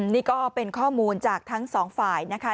นี่ก็เป็นข้อมูลจากทั้งสองฝ่ายนะคะ